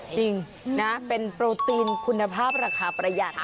จริงนะเป็นโปรตีนคุณภาพราคาประหยัด